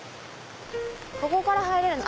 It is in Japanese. ここから入れるの？